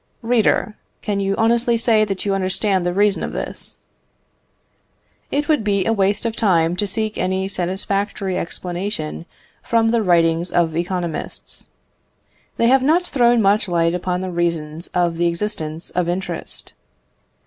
Reader, can you honestly say that you understand the reason of this? It would be a waste of time to seek any satisfactory explanation from the writings of economists. They have not thrown much light upon the reasons of the existence of interest.